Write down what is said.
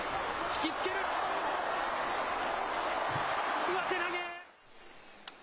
引き付ける。